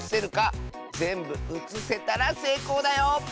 ぜんぶうつせたらせいこうだよ！